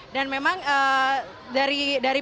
dan memang dari penontonnya